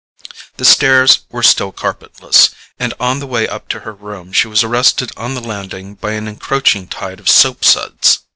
The stairs were still carpetless, and on the way up to her room she was arrested on the landing by an encroaching tide of soapsuds.